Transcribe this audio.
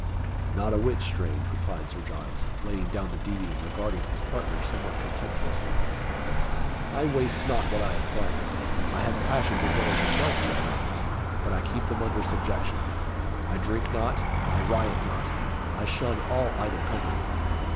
"Not a whit strange," replied Sir Giles, laying down the deed and regarding his partner somewhat contemptuously. "I waste not what I acquire. I have passions as well as yourself, Sir Francis; but I keep them under subjection. I drink not I riot not I shun all idle company.